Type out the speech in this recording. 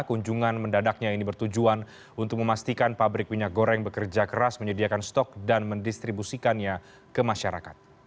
kunjungan mendadaknya ini bertujuan untuk memastikan pabrik minyak goreng bekerja keras menyediakan stok dan mendistribusikannya ke masyarakat